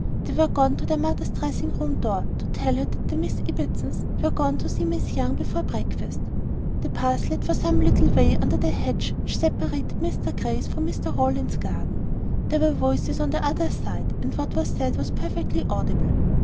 They were gone to their mother's dressing room door, to tell her that the Miss Ibbotsons were gone to see Miss Young before breakfast. The path led for some little way under the hedge which separated Mr Grey's from Mr Rowland's garden. There were voices on the other side, and what was said was perfectly audible.